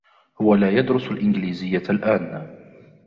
هو لا يدرس الإنجليزية الآن.